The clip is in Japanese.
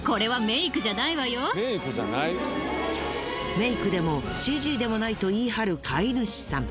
メイクでもＣＧでもないと言い張る飼い主さん。